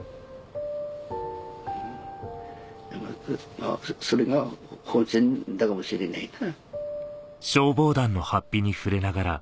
まぁそれが本心かもしれないな。